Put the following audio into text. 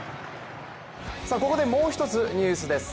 ここでもう１つニュースです。